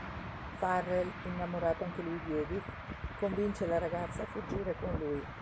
Farrell, innamorato anche lui di Edith, convince la ragazza a fuggire con lui.